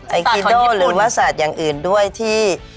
ไอจีโน่หรือว่าสัตว์อย่างอื่นด้วยที่